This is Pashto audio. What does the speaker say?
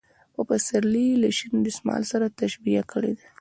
چې پسرلى يې له شين دسمال سره تشبيه کړى دى .